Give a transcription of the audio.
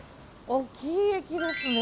大きい駅ですね。